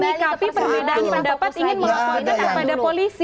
menikapi perbedaan pendapat ingin melaksanakan kepada polisi